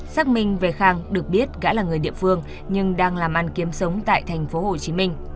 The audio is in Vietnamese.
xác minh về khang được biết đã là người địa phương nhưng đang làm ăn kiếm sống tại tp hcm